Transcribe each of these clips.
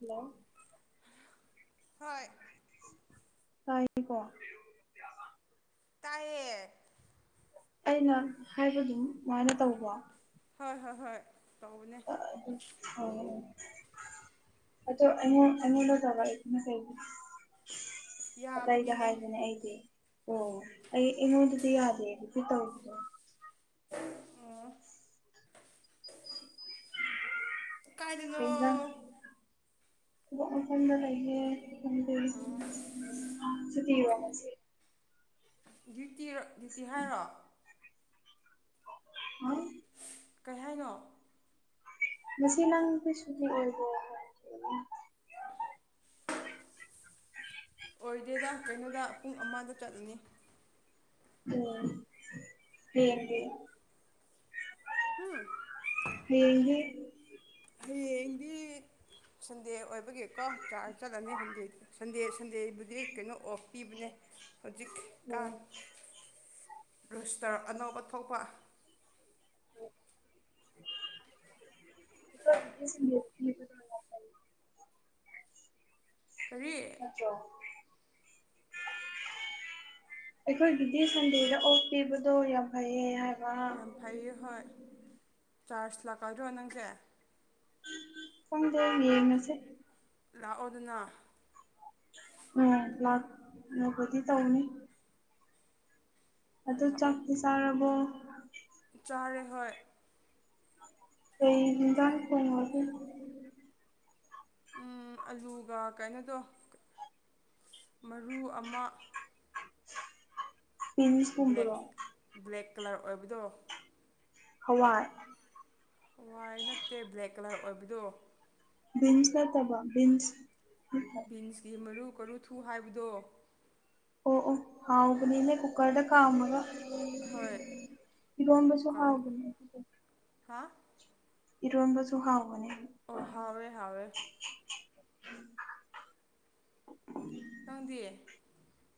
hello ꯍꯣꯏ ꯇꯥꯏꯀꯣ ꯇꯌꯦ ꯑꯩꯅ ꯍꯥꯏꯕꯗꯨꯝ ꯑꯗꯨꯃꯥꯏꯅ ꯇꯧꯕ ꯍꯣꯏ ꯍꯣꯏ ꯍꯣꯏ ꯇꯧꯕꯅꯦ ꯑꯗꯨ ꯍ ꯑꯣ ꯑꯩꯅ ꯑꯩꯅ ꯂꯧ ꯊꯋꯥ ꯏꯅ ꯀꯩ ꯑꯗ ꯌꯥꯕꯒꯤꯅꯦ ꯍꯥꯏꯕꯅꯦ ꯑꯩꯗꯤ ꯑꯣ ꯑꯩ ꯑꯩꯉꯣꯟꯗꯗꯤ ꯌꯥꯗꯦ ꯑꯗꯨꯗꯤ ꯇꯧꯗꯣ ꯑꯣꯝ ꯀꯥꯏꯗꯅꯣ ꯀꯖ ꯊ ꯑꯣꯟ ꯐꯅ ꯂꯩꯥꯏꯦ ꯑꯣ ꯁꯇꯤꯔꯁꯦ ꯗ꯭ꯌꯨꯇꯤ ꯗ꯭ꯌꯨꯇꯤ ꯍꯥꯏꯔꯣ ꯑ ꯀꯩ ꯍꯥꯏꯅꯣ ꯃꯁꯤꯁ ꯅꯪꯗꯤ ꯁꯨꯖꯤ ꯑꯣꯏꯕ ꯍꯥꯏ [inaudible] ꯑꯣꯏꯗꯦꯗ ꯀꯩꯅꯣꯗ ꯄꯨꯡ ꯑꯃꯗ ꯆꯠꯂꯨꯅꯤ ꯎꯝ ꯍ ꯍ ꯍꯥꯝ ꯍ ꯍꯌꯦꯡꯗꯤ ꯁꯟꯗꯦ ꯑꯣꯏꯕꯒꯤꯀꯣ ꯆꯥꯛ ꯆꯠꯂꯅꯤ ꯁꯟꯗꯦꯗꯤ ꯁꯟꯗꯦ ꯁꯟꯗꯦꯕꯨꯗꯤ ꯀꯩꯅꯣ ꯑꯣꯐ ꯄꯤꯕꯅꯦ ꯍꯧꯖꯤꯛꯀꯥꯟ ꯎꯝ ꯔꯨꯁꯇꯔ ꯑꯅꯧꯕ ꯊꯣꯛꯄ [inaudible] ꯀꯔꯤ ꯆꯣ ꯑꯩꯈꯣꯏꯒꯤꯗꯤ ꯁꯟꯗꯦꯗ ꯑꯣꯐ ꯄꯤꯕꯗꯣ ꯌꯥꯝ ꯐꯩꯌꯦ ꯍꯥꯏꯕ ꯌꯥꯝ ꯐꯩꯌꯦ ꯍꯣꯏ ꯆꯥꯔꯖ ꯂꯥꯛꯀꯗ꯭ꯔꯣ ꯅꯪꯁꯦ ꯄꯨꯡꯁ ꯌꯦꯡꯉꯁꯦ ꯂꯥꯛꯑꯣꯗꯨꯅ ꯂꯥꯛꯅꯕꯨꯗꯤ ꯇꯧꯅꯤ ꯑꯗꯨ ꯂꯥꯛꯑꯣ ꯆꯥꯛꯇꯤ ꯆꯥꯔꯕꯣ ꯆꯥꯔꯦ ꯍꯣꯏ ꯑꯩ ꯆꯝ ꯐꯣꯟꯗꯨ ꯑꯂꯨꯒ ꯀꯩꯅꯣꯗꯣ ꯃꯔꯨ ꯑꯃ ꯕ꯭ꯂꯦꯛ ꯕꯤꯟꯁꯀꯨꯝꯕꯔꯣ ꯕ꯭ꯂꯦꯛ ꯀꯂꯔ ꯑꯣꯏꯕꯗꯣ ꯍꯋꯥꯏ ꯋꯥꯏꯠ ꯅꯠꯇꯦ ꯕ꯭ꯂꯦꯛ ꯀꯂꯔ ꯑꯣꯏꯕꯗꯣ ꯕꯤꯟꯁ ꯅꯠꯇꯕ ꯕꯤꯟꯁ ꯄꯤꯟꯁꯀꯤ ꯃꯔꯨ ꯀꯨ ꯔꯨꯊꯨ ꯍꯥꯏꯕꯗꯣ ꯑꯣ ꯑꯣ ꯍꯥꯎ ꯎꯕꯅꯤꯅꯦ ꯀꯨꯀꯔꯗ ꯀꯥꯝꯃꯒ ꯍꯣꯏ ꯏꯔꯣꯟꯕꯁꯨ ꯀꯥꯝ ꯍꯥꯎꯕꯅꯦ ꯍꯥ ꯏꯔꯣꯟꯕꯁꯨ ꯍꯥꯎꯕꯅꯦ ꯑꯣ ꯍꯥꯎꯋꯦ ꯍꯥꯎꯋꯦ ꯅꯪꯗꯤ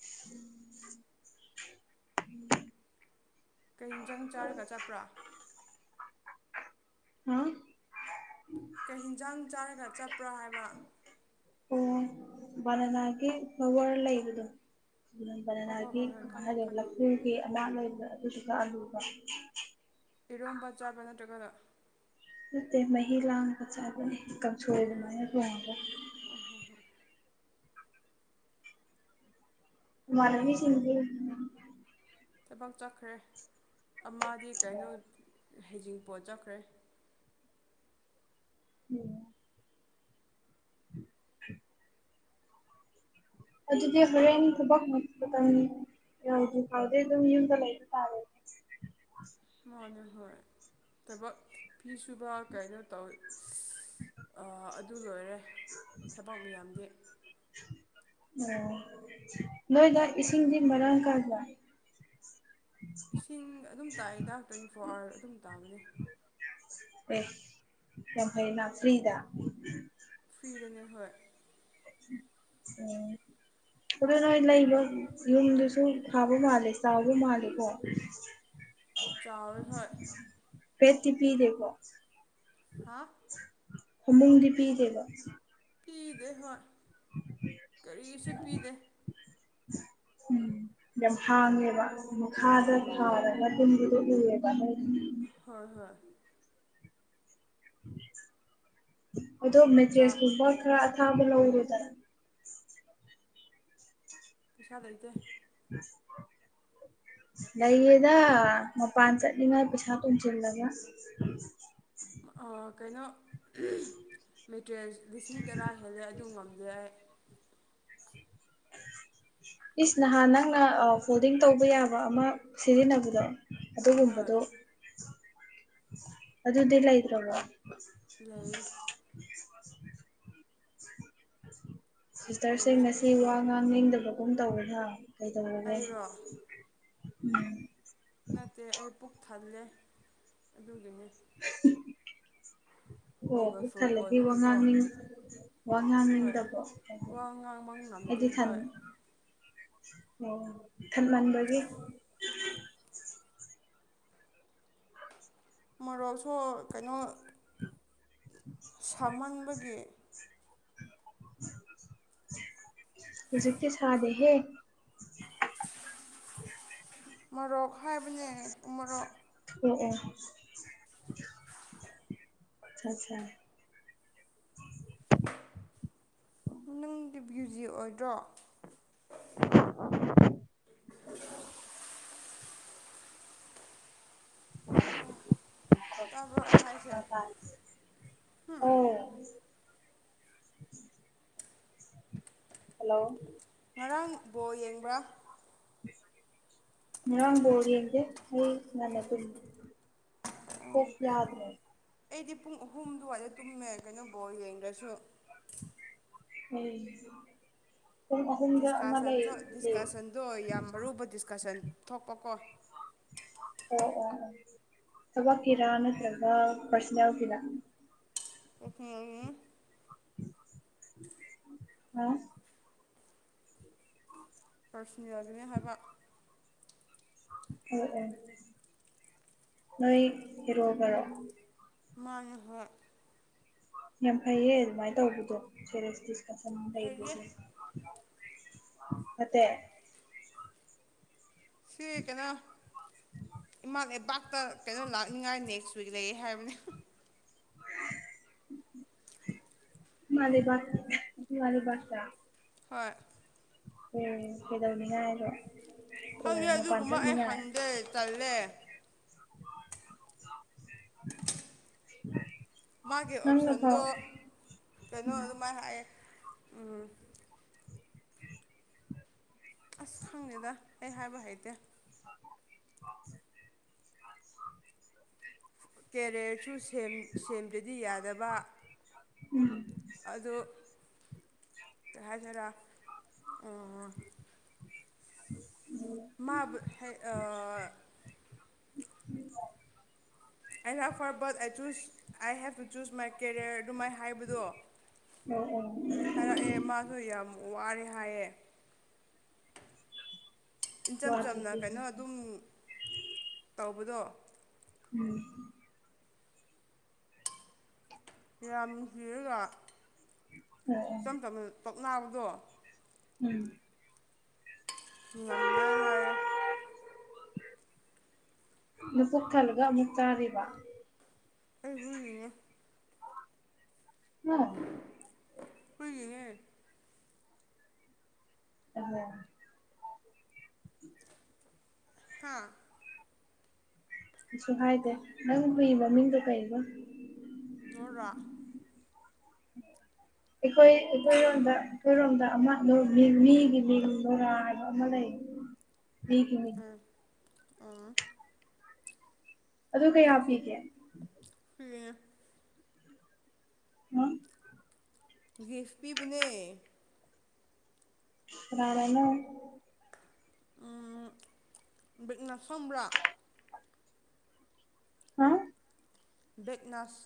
[unintelligible] [unintelligible] ꯀꯩ ꯏꯟꯖꯥꯡ ꯆꯥꯔꯒ ꯆꯠꯄ꯭ꯔꯥ ꯍꯥ ꯀꯩ ꯍꯤꯟꯖꯥꯡ ꯆꯥꯔꯒ ꯆꯠꯄ꯭ꯔꯥ ꯍꯥꯏꯕ ꯑꯣ ꯕꯅꯅꯥꯒꯤ ꯐ꯭ꯂꯋꯥꯔ ꯂꯩꯕꯗꯣ [unintelligible] ꯑꯣ ꯍꯣꯏ ꯕꯅꯅꯥꯒꯤ ꯍꯣꯏ ꯍꯣꯏ ꯈꯪꯉꯦ ꯍꯥꯏꯔ ꯈꯪꯉꯦ ꯂꯄꯨꯒꯤ ꯑꯃꯥ ꯂꯩꯕꯗꯣ ꯑꯗꯨꯗꯨꯒ ꯑꯂꯨꯒ ꯏꯔꯣꯝꯕ ꯆꯥꯕ ꯅꯠꯇ꯭ꯔꯒꯅ ꯅꯠꯇꯦ ꯃꯍꯤ ꯂꯥꯡꯑꯒ ꯆꯥꯕꯅꯦ ꯀꯥꯡꯁꯣꯏ ꯑꯗꯨꯃꯥꯏꯅ ꯂꯣꯡꯉꯒ ꯑꯣ ꯍꯣ ꯍꯣ ꯏꯃꯥꯅꯕꯤ ꯁꯤꯡꯗꯤ ꯊꯕꯛ ꯆꯠꯈ꯭ꯔꯦ ꯑꯃꯗꯤꯗꯤ ꯀꯩꯅꯣ ꯍꯩꯖꯤꯡꯄꯣꯠ ꯆꯠꯈ꯭ꯔꯦ ꯎꯝ ꯑꯗꯨꯗꯤ ꯍꯣꯔꯦꯟ ꯊꯕꯛ [unintelligible] ꯌꯧꯗꯤ ꯐꯥꯎꯗꯩ ꯑꯗꯨꯝ ꯌꯨꯝꯗ ꯂꯩꯕ ꯇꯥꯔꯦ ꯃꯥꯅꯦ ꯍꯣꯏ ꯊꯕꯛ ꯐꯤ ꯁꯨꯕ ꯀꯩꯅꯣ ꯇꯧ ꯑꯗꯨ ꯂꯣꯏꯔꯦ ꯊꯕꯛ ꯃꯤꯌꯥꯝꯗꯤ ꯑꯣ ꯅꯣꯏꯗ ꯏꯁꯤꯡꯗꯤ ꯃꯔꯥꯡ ꯀꯥꯏꯕ꯭ꯔ ꯏꯁꯤꯡ ꯑꯗꯨꯝ ꯇꯥꯏ ꯗꯥꯡꯇ꯭ꯋꯦꯟꯇꯤ ꯐꯣꯔ ꯑꯋꯥꯔ ꯑꯗꯨꯝ ꯇꯥꯕꯅꯦ ꯑꯦ ꯌꯥꯝ ꯐꯩꯅ ꯐ꯭ꯔꯤꯗ ꯐ꯭ꯔꯤꯗꯅꯦ ꯍꯣꯏ ꯑꯣ ꯑꯗꯨ ꯅꯣꯏ ꯂꯩꯕ ꯌꯨꯝꯗꯨꯁꯨ ꯐꯥꯕ ꯃꯥꯜꯂꯦ ꯆꯥꯎꯕ ꯃꯥꯜꯂꯦꯀꯣ ꯆꯥꯎꯋꯦ ꯍꯣꯏ [unintelligible] ꯇꯤ ꯄꯤꯗꯦꯀꯣ ꯍꯥ ꯐꯃꯨꯡꯗꯤ ꯄꯤꯗꯦꯕ ꯄꯤꯗꯦ ꯍꯣꯏ ꯀꯔꯤꯁꯨ ꯄꯤꯗꯦ ꯎꯝ ꯌꯥꯝ ꯍꯥꯡꯉꯦꯕ ꯊꯥꯗ ꯎꯝ ꯊꯥꯔꯒ ꯇꯨꯝꯕꯗꯨ ꯎꯑꯦꯕ ꯍꯣꯏ ꯍꯣꯏ ꯑꯣꯗꯣ ꯆꯥꯛ ꯃꯦꯇ꯭ꯔꯦꯁꯇꯩ ꯈꯔ ꯊꯥꯕ ꯂꯧꯔꯣꯗꯅ ꯄꯩꯁꯥ ꯂꯩꯇꯦ [unintelligible] ꯂꯩꯌꯦꯗ ꯃꯄꯥꯟ ꯆꯠꯂꯤꯉꯥꯏ ꯄꯩꯁꯥ ꯇꯨꯝꯁꯤꯜꯂꯒ ꯑ ꯀꯩꯅꯣ [unintelligible] ꯃꯦꯇꯔꯤꯌꯦꯜ ꯂꯤꯁꯤꯡ ꯇꯔꯥ ꯍꯦꯜꯂꯦ ꯑꯗꯨ ꯉꯝꯗꯦ ꯑꯩ ꯏꯁ ꯅꯍꯥꯟ ꯅꯪꯅ ꯑ ꯐꯣꯜꯗꯤꯡ ꯇꯧꯕ ꯌꯥꯕ ꯑꯃ ꯁꯤꯖꯤꯟꯅꯕꯗꯣ ꯍꯣꯏ ꯑꯗꯨꯒꯨꯝꯕꯗꯣ ꯑꯗꯨꯗꯤ ꯂꯩꯇ꯭ꯔꯕꯣ ꯂꯩꯔꯦ ꯁꯤꯁꯇꯔꯁꯦ ꯂꯩꯌꯦ ꯉꯁꯤꯁꯦ ꯑꯗꯨꯕꯨꯗꯤ ꯋꯥ ꯉꯥꯡꯅꯤꯡꯗꯕꯒꯨꯝ ꯇꯧꯏꯗ ꯀꯩꯗꯧꯔꯒꯦ ꯑꯩꯔꯣ [unintelligible] ꯅꯠꯇꯦ ꯑꯩ ꯄꯨꯛ ꯊꯜꯂꯦ ꯑꯗꯨꯒꯤꯅꯤ [unintelligible] ꯑꯣ ꯄꯨꯛ ꯑꯣꯚꯔꯐꯨꯜ ꯊꯜꯂꯗꯤ ꯑꯣꯏꯕꯒꯤꯀꯣ ꯋꯥꯉꯥꯡ ꯅꯤꯡ ꯍꯣꯏ ꯋꯥꯉꯥꯡꯅꯤꯗꯕ꯭ꯔꯣ ꯑꯣ ꯑꯣ ꯋꯥ ꯉꯥꯡꯕ ꯉꯝꯗꯦ ꯑ ꯩꯗꯤ ꯊꯟ [inaudible] ꯑꯣ ꯊꯟꯃꯟꯕꯒꯤ ꯃꯣꯔꯣꯛꯁꯣ ꯀꯩꯅꯣ ꯁꯥꯃꯟꯕꯒꯤ ꯍꯧꯖꯤꯛ ꯇꯤ ꯁꯥꯗꯦꯍꯦ ꯃꯣꯔꯣꯛ ꯍꯥꯏꯕꯅꯦ ꯎꯃꯣꯔꯣꯛ ꯑꯣ ꯑꯣ [unintelligible] ꯑꯆꯥ ꯆꯥ ꯅꯪꯗꯤ ꯕ꯭ꯌꯨꯖꯤ ꯑꯣꯏꯗ꯭ꯔꯣ [unintelligible] ꯇꯥꯕ꯭ꯔꯣ ꯑꯩ ꯍꯥꯏꯁꯦ [unintelligible] ꯑꯣ ꯍꯜꯂꯣ ꯉꯔꯥꯡ ꯕꯣꯜ ꯌꯦꯡꯕ꯭ꯔꯥ ꯉꯔꯥꯡ ꯕꯣꯜ ꯌꯦꯡꯗꯦ ꯑꯩ ꯉꯟꯅ ꯇꯨꯝꯃꯦ ꯑꯣ ꯀꯣꯛ ꯌꯥꯗ꯭ꯔꯦ ꯑꯩꯗꯤ ꯄꯨꯡ ꯑꯍꯨꯝ ꯗꯨꯋꯥꯏꯗ ꯇꯨꯝꯃꯦ ꯀꯩꯅꯣ ꯕꯣꯜ ꯌꯦꯡꯗ꯭ꯔꯁꯨ ꯑꯩ [unintelligible] ꯑꯃ ꯂꯩꯌꯦ ꯗꯤꯁꯀꯥꯁꯟꯁꯨ ꯗꯤꯁꯀꯁꯟꯗꯣ ꯌꯥꯝ ꯑꯔꯨꯕ ꯗꯤꯁꯀꯁꯟ ꯊꯣꯛꯄꯀꯣ ꯑꯣ ꯑꯣ ꯑꯣ ꯊꯕꯛꯀꯤꯔꯥ ꯅꯠꯇ꯭ꯔꯒ ꯄꯔꯁꯅꯦꯜ ꯒꯤꯔꯥ [unintelligible] [unintelligible] [unintelligible] ꯄꯔꯁꯅꯦꯜꯒꯤꯅꯦ ꯍꯥꯏꯕ ꯑꯣ ꯑꯣ ꯅꯣꯏ ꯍꯦꯔꯣꯒꯔꯣ ꯃꯥꯅꯦ ꯍꯣꯏ ꯌꯥꯝ ꯐꯩꯌꯦ ꯑꯗꯨꯃꯥꯏꯅ ꯇꯧꯕꯗꯣ ꯁꯦꯔꯤꯌꯁ ꯗꯤꯁꯀꯁꯟ ꯍꯩꯔꯦ ꯂꯩꯕꯁꯦ ꯐꯠꯇꯦ ꯁꯤ ꯀꯩꯅꯣ ꯏꯃꯥ ꯂꯩꯕꯥꯛꯇ ꯀꯩꯅꯣ ꯂꯥꯛꯅꯤꯡꯉꯥꯏ ꯅꯦꯛꯁ [unintelligible] ꯅꯩꯌꯦ ꯍꯥꯏꯕꯅꯦ ꯏꯃꯥꯂꯩꯕꯥꯛꯇꯤ ꯏꯃꯥꯂꯩꯕꯥꯛꯇ ꯍꯣꯏ ꯎꯝ ꯀꯩꯗꯧꯅꯤꯡꯉꯥꯏꯔꯣ ꯈꯪꯗꯦ ꯑꯣ ꯃꯄꯥꯟ ꯑꯗꯨꯒꯨꯝꯕ ꯑꯩ ꯆꯠꯅꯤꯡꯉꯥꯏ ꯍꯪꯗꯦ ꯇꯜꯂꯦ [unintelligible] ꯃꯥꯒꯤ ꯅꯪꯅ ꯐꯥꯎ ꯑꯣꯞꯁꯟꯗꯣ ꯀꯩꯅꯣ ꯑꯗꯨꯃꯥꯏꯅ ꯍꯥꯏꯌꯦ ꯎꯝ ꯑꯁ ꯈꯪꯗꯦꯗ ꯑꯩ ꯍꯥꯏꯕ ꯍꯩꯇꯦ [unintelligible] ꯀꯦꯔꯤꯌꯔꯁꯨ ꯁꯦꯝ ꯁꯦꯝꯗ꯭ꯔꯗꯤ ꯌꯥꯗꯕ ꯎꯝ ꯑꯗꯨ ꯀꯩ ꯍꯥꯏꯁꯦꯔꯥ ꯑꯣ ꯃꯥꯕꯨ ꯍꯩ ꯑꯥ I love her but I choose I have to choose my career ꯑꯗꯨꯃꯥꯏ ꯍꯥꯏ__ ꯕꯗꯣ ꯑꯣ ꯑꯣ ꯍꯥꯏꯔꯛꯑꯦ ꯃꯥꯁꯨ ꯌꯥꯝ ꯋꯥꯔꯦ ꯍꯥꯏꯌꯦ ꯏꯆꯝ ꯆꯝꯅ ꯋꯥꯗ꯭ꯔꯗꯤ ꯀꯩꯅꯣ ꯑꯗꯨꯝ ꯇꯧꯕꯗꯣ ꯎꯝ ꯌꯥꯝ ꯅꯨꯡꯁꯤꯔꯒ ꯑꯣ ꯑꯣ ꯏꯆꯝ ꯆꯝꯅ ꯇꯣꯛꯅꯕꯗꯣ ꯎꯝ ꯉꯝꯅꯤ ꯍꯥꯏꯔꯦ ꯅꯄꯨꯛ ꯊꯜꯂꯒ ꯑꯃꯨꯛ ꯆꯥꯔꯤꯕ [unintelligible] ꯎꯝ ꯀꯅꯦꯦ ꯎꯝ ꯍꯥꯥ ꯀꯩꯁꯨ ꯍꯥꯏꯗꯦ ꯅꯪ ꯍꯨꯏ ꯃ ꯃꯤꯡꯗꯣ ꯀꯩꯅꯣ ꯃꯦꯔ ꯑꯩꯈꯣꯏ ꯑꯩꯈꯣꯏꯔꯣꯝꯗ ꯑꯩꯈꯣꯏꯔꯣꯝꯗ ꯑꯃ ꯃꯤꯒꯤ ꯃꯤꯡ ꯣꯔꯥ ꯍꯥꯏꯕ ꯑꯃ ꯂꯩ ꯍ ꯑ ꯑꯥ ꯑꯗꯨ ꯀꯌꯥ ꯅꯨꯈꯨꯠ ꯄꯤꯒꯦ ꯎꯝ ꯦꯁꯄꯤꯕꯅꯦ ꯔꯅꯅ ꯕꯤꯒꯅꯁꯝ꯭ꯔꯥ ꯍꯥ ꯕꯦꯦꯛꯅꯥꯁ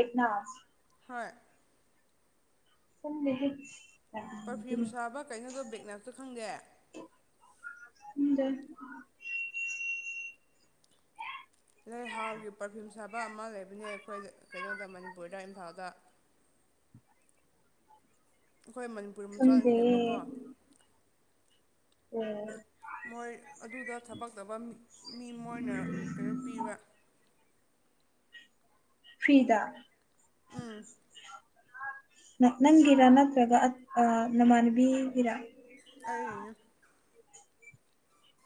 ꯦꯘꯅꯥꯁ ꯍꯣꯏ ꯆꯗꯤ ꯄꯔꯐ꯭ꯌꯨꯝ ꯁꯥꯕ ꯀꯩꯅꯣꯗꯣ ꯕꯦꯛꯅꯞꯇ ꯈꯪꯗꯦ ꯗꯦ ꯅ ꯍꯥꯎꯒꯤ ꯄꯔꯐ꯭ꯌꯨꯝ ꯁꯥꯕ ꯑꯃ ꯂꯩꯕꯅꯦ ꯑꯩꯈꯣꯏꯗ ꯀꯩꯅꯣꯗ ꯃꯅꯤꯄꯨꯔꯗ ꯏꯝꯐꯥꯜꯗ ꯑꯩꯈꯣꯏ ꯃꯅꯤꯄꯨꯔꯤ ꯃꯆꯥꯅ ꯍ ꯈꯪꯗꯦ ꯁꯦꯝꯕꯀꯣ ꯎꯝ ꯃꯣꯏ ꯑꯗꯨꯗ ꯊꯕꯛꯇꯕ ꯃꯤ ꯃꯣꯏꯅ ꯀꯩꯅꯣ ꯄꯤꯕ ꯐꯤꯗ ꯎꯝ ꯅꯪꯒꯤꯤꯔ ꯅꯠꯇ꯭ꯔꯒ ꯑ ꯑ ꯅꯃꯥꯥꯟꯕꯤ ꯒꯤꯤꯔꯥ ꯑ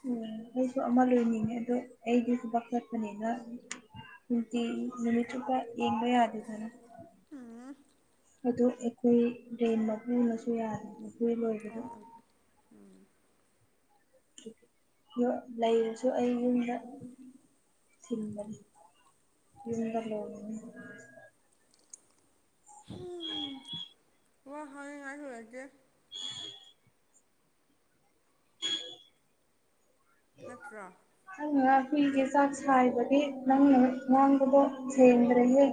ꯎ ꯑꯩꯁꯨ ꯑꯃ ꯂꯣꯏꯅꯤꯡꯉꯦ ꯑꯗꯣ ꯑꯩꯗꯤꯁꯨꯕꯥꯛ ꯆꯠꯄꯅꯤꯅ ꯅꯨꯡꯇꯤ ꯅꯨꯃꯤꯠ ꯆꯨꯞꯄ ꯌꯦ ꯦ ꯍꯥꯏꯗꯤ ꯊꯅ ꯎꯝ ꯑꯗꯣ ꯑꯩꯈꯣꯏ ꯗ꯭ꯔꯦꯟ ꯃꯄꯨꯅꯁꯨ ꯌꯥꯔꯦ ꯃꯄꯨ ꯑꯣ ꯂꯣꯏꯕꯗꯣ ꯑꯣ ꯎꯝ ꯌ ꯂꯩꯔꯁꯨ ꯑꯩ ꯌꯨꯝꯗ ꯊꯤꯟꯕꯅꯤ ꯂ ꯋꯥ ꯍ ꯍꯥꯏꯨ ꯑꯩꯒꯦ ꯅꯠꯇ꯭ꯔꯥ ꯅꯪꯅ ꯐꯏꯒꯤ ꯆꯥꯛ ꯁꯥꯏꯕꯒꯤ ꯅꯪꯅ ꯉꯥꯡꯕꯗꯣ ꯆꯦꯟꯗ꯭ꯔꯦꯍꯦ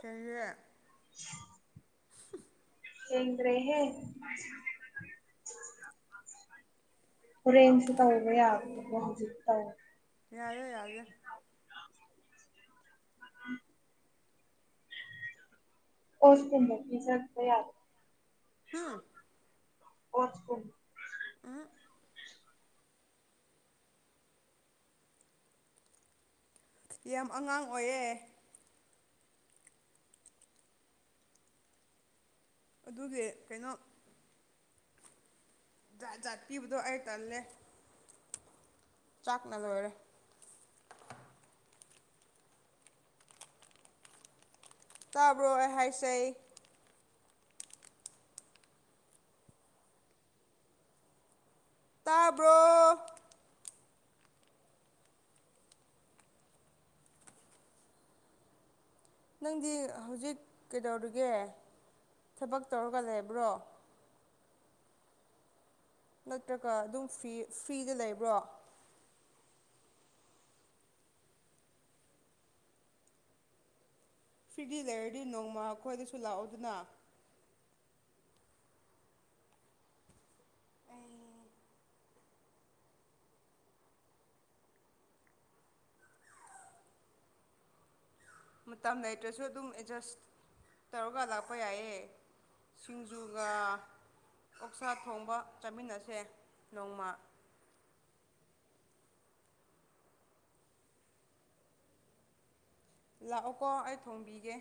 ꯆꯦ [inaudible] ꯍꯡ꯭ꯔꯦ ꯍꯦ ꯍꯣꯔꯦꯟꯁꯨ ꯇꯧꯕ ꯌꯥꯒꯕ ꯍꯧꯖꯤꯛ ꯇꯧ ꯌꯥꯔꯦ ꯌꯥꯏꯔꯦ ꯑ ꯑꯣꯁꯀꯨꯝꯕ ꯄꯤꯖꯥꯄ ꯍꯨꯝ ꯌꯥꯔꯀꯨꯝ ꯑ ꯌꯥꯝ ꯑꯉꯥꯡ ꯑꯣꯏꯌꯦꯦ ꯑꯗꯨꯒꯤ ꯀꯩꯅꯣ ꯖꯥꯠ ꯖꯥꯠ ꯄꯤꯕꯗꯣ ꯑꯩ ꯇꯜꯂꯦ ꯆꯥꯛꯅ ꯂꯣꯏꯔꯦ ꯇꯥꯕ꯭ꯔꯣꯏ ꯍꯥꯏꯖꯩ ꯇꯥꯕ꯭ꯔꯣ ꯅꯪꯗꯤ ꯍꯧꯖꯤꯛ ꯀꯩꯗꯧꯔꯤꯒꯦ ꯊꯕꯛ ꯇꯧꯔꯒ ꯂꯩꯕ꯭ꯔꯣ ꯅꯠꯇ꯭ꯔꯒ ꯑꯗꯨꯝ ꯐ꯭ꯔꯤ ꯐ꯭ꯔꯤꯗ ꯂꯩꯕ꯭ꯔꯣ ꯐ꯭ꯔꯤꯒꯤ ꯂꯦꯌꯔꯗꯤ ꯅꯣꯡꯃ ꯑꯩꯈꯣꯏꯗꯁꯨ ꯂꯥꯛꯑꯣ ꯑꯗꯨꯅ ꯑꯩ ꯃꯇꯝ ꯂꯩꯇ꯭ꯔꯁꯨ ꯑꯗꯨꯝ ꯑꯦꯠꯖꯁ ꯇꯧꯔꯒ ꯂꯥꯛꯄ ꯌꯥꯏꯌꯦ ꯁꯤꯡꯖꯨꯒ ꯑꯣꯛꯁꯥ ꯊꯣꯡꯕ ꯆꯥꯃꯤꯟꯅꯁꯦ ꯅꯣꯡꯃ ꯂꯥꯛꯑꯣꯀꯣ ꯑꯩ ꯊꯣꯡꯕꯤꯒꯦ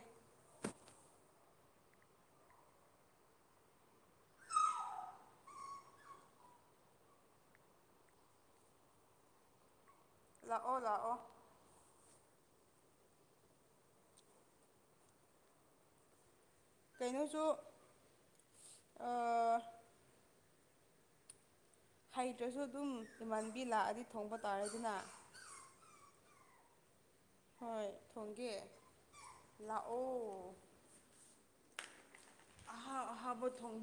ꯂꯥꯛꯑꯣ ꯂꯥꯛꯑꯣ ꯀꯥꯏꯅꯣꯖꯣ ꯍꯩꯇ꯭ꯔꯁꯨ ꯑꯗꯨꯝ ꯏꯃꯥꯟꯕꯤ ꯂꯥꯛꯑꯗꯤ ꯊꯣꯡꯕ ꯇꯥꯔꯗꯤꯅ ꯍꯣꯏ ꯊꯣꯡꯒꯦ ꯂꯥꯛꯑꯣ ꯑꯍꯥꯎ ꯑꯍꯕ ꯊꯣꯡ